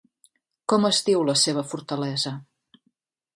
Com es diu la seva fortalesa?